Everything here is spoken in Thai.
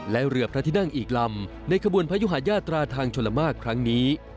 และเรือพระที่นั่งอีกลำในขบวนพระยุหาญาตราทางชลมากครั้งนี้